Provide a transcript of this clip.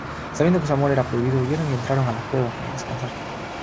Sabiendo que su amor era prohibido, huyeron y entraron en la cueva para descansar.